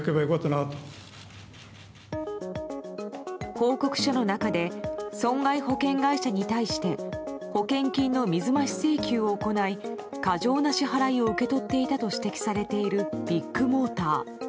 報告書の中で損害保険会社に対して保険金の水増し請求を行い過剰な支払いを受け取っていたと指摘されているビッグモーター。